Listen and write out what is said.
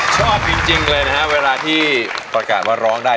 ชอบจริงเลยนะครับเวลาที่ประกาศว่าร้องได้